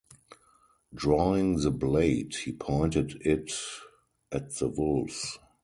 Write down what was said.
Drawing the blade, he pointed it at the wolves.